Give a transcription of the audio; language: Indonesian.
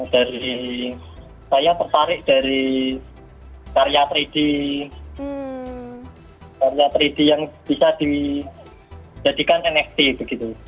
dari saya tertarik dari karya tiga d karya tiga d yang bisa dijadikan nft begitu